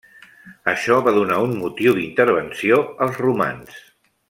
Això va donar un motiu d'intervenció als romans.